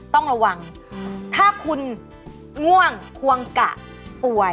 ต้องระวังถ้าคุณง่วงควงกะป่วย